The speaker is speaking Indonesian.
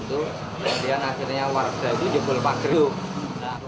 kemudian akhirnya warga itu jempol panggriu